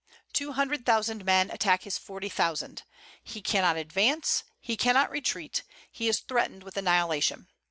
Two hundred thousand men attack his forty thousand. He cannot advance, he cannot retreat; he is threatened with annihilation.